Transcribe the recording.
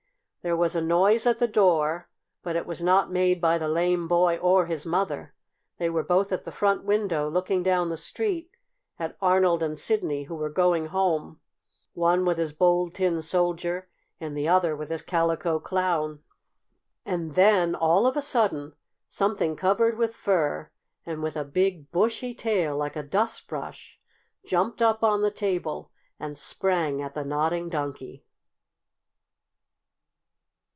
There was a noise at the door, but it was not made by the lame boy or his mother. They were both at the front window, looking down the street at Arnold and Sidney, who were going home, one with his Bold Tin Soldier and the other with his Calico Clown. And then, all of a sudden, something covered with fur and with a big, bushy tail, like a dustbrush, jumped up on the table and sprang at the Nodding Donkey.